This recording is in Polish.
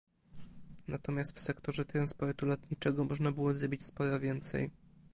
Natomiast w sektorze transportu lotniczego można było zrobić sporo więcej